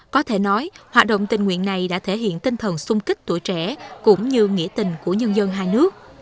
có thể nói hoạt động tình nguyện này đã thể hiện tinh thần sung kích tuổi trẻ cũng như nghĩa tình của nhân dân hai nước